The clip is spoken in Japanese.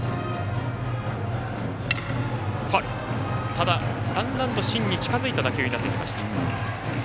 ただ、だんだんと芯に近づいた打球になってきました。